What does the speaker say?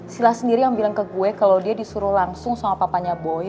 sila sendiri yang bilang ke gue kalau dia disuruh langsung sama papanya boy